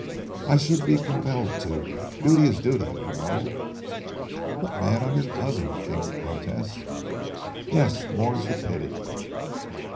"I should be compelled to. Duty is duty you know." "But, man, I'm your cousin!" came the protest. "Yes! more's the pity."